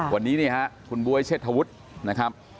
วันนี้นี่ฮะคุณบ๊วยเชษฐวุฒินะครับ